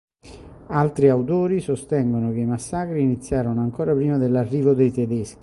Altri autori sostengono che i massacri iniziarono ancora prima dell'arrivo dei tedeschi.